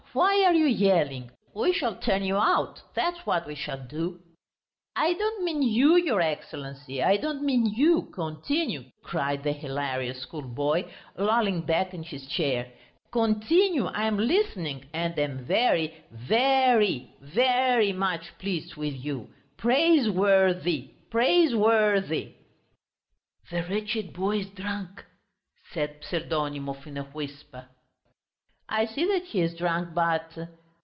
Why are you yelling? We shall turn you out, that's what we shall do." "I don't mean you, your Excellency, I don't mean you. Continue!" cried the hilarious schoolboy, lolling back in his chair. "Continue, I am listening, and am very, ve ry, ve ry much pleased with you! Praisewor thy, praisewor thy!" "The wretched boy is drunk," said Pseldonimov in a whisper. "I see that he is drunk, but...."